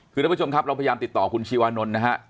แล้วด้วยผู้ชมครับเราพยายามติดต่อคุณชีวานนท์นะครับ